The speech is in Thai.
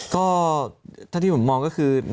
ก็ถ้าที่ผมมองก็คือ